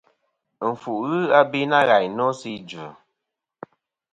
Ɨnfuʼ nɨn ghɨ abe nâ ghàyn nô sɨ idvɨ.